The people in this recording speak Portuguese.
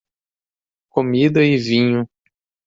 Comida e vinho